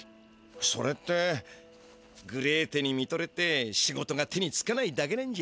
それってグレーテにみとれて仕事が手につかないだけなんじゃないのか？